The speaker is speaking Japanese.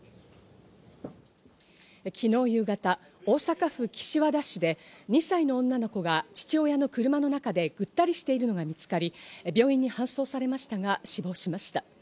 昨日夕方、大阪府岸和田市で２歳の女の子が父親の車の中で、ぐったりしているのが見つかり、病院に搬送されましたが、死亡しました。